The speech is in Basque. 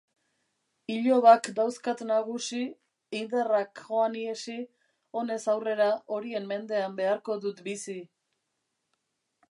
Ilobak dauzkat nagusi, indarrak joan ihesi, honez aurrera horien mendean beharko dut bizi.